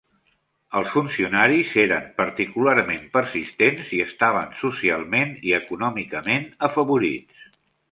Els funcionaris eren particularment persistents i estaven socialment i econòmicament afavorits.